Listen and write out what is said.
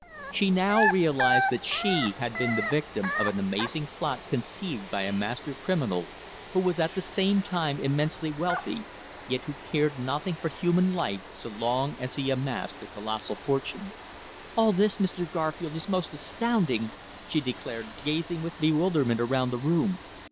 She now realized that she had been the victim of an amazing plot conceived by a master criminal, who was at the same time immensely wealthy, yet who cared nothing for human life so long as he amassed a colossal fortune. "All this, Mr. Garfield, is most astounding!" she declared, gazing with bewilderment around the room.